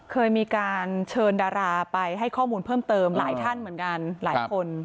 เคยมีการเชิญดาราไปให้ข้อมูลเพิ่มเติมหลายท่านเหมือนกันหลายคน